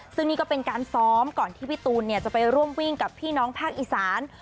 ซึ่งนี่ก็เป็นการซ้อมก่อนที่พี่ตูนจะไปร่วมวิ่งกับพี่น้องภาคอีสาน